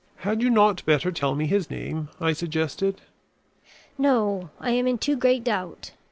"Had you not better tell me his name?" I suggested. "No, I am in too great doubt.